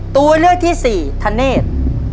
ตัวเลือกที่สี่ธเนธ